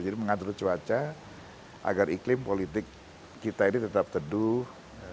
jadi mengatur cuaca agar iklim politik kita ini tetap teduh